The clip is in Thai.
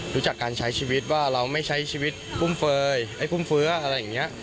รู้จักการใช้ชีวิตว่าเราไม่ใช้ชีวิตพุ่มเฟ้ออะไรอย่างนี้